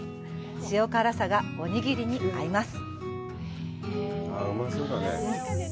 塩辛さがおにぎりに合います。